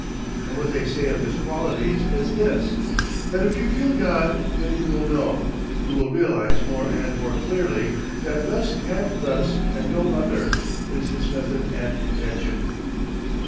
And what they say of his qualities is this; that if you feel God then you will know, you will realise more and more clearly, that thus and thus and no other is his method and intention.